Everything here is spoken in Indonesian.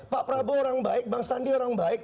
pak prabowo orang baik bang sandi orang baik